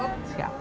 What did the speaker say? gak akan jatuh